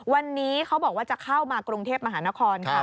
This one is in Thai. วันนี้เขาบอกว่าจะเข้ามากรุงเทพมหานครค่ะ